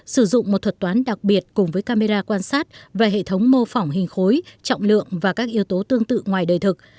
sử dụng một thuật toán đặc biệt cùng với camera quan sát và hệ thống mô phỏng hình khối trọng lượng và các yếu tố tương tự ngoài đời thực